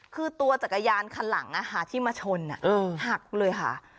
คือตัวจักรยานคันหลังที่มาชนหักเลยค่ะ